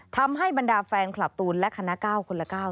ทำให้บรรดาแฟนคลับตูนและคณะ๙คนละ๙